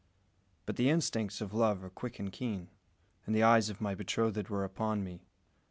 But the instincts of love are quick and keen, and the eyes of my betrothed were upon me.